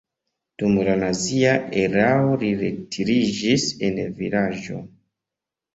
Dum la nazia erao li retiriĝis en vilaĝo.